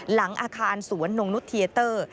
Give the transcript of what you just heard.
หลังอาคารสวนนงนุษเทียเตอร์